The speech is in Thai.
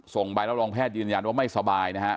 ส่งไปแล้วรองแพทย์ยืนยันว่าไม่สบายนะฮะ